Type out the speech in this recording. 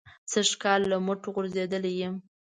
سږ کال له مټو غورځېدلی یم.